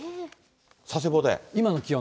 佐世保で？